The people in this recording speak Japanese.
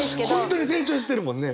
本当に成長してるもんね。